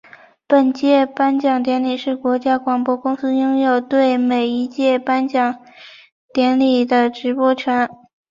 本届颁奖典礼是国家广播公司拥有对每一届颁奖典礼的直播权。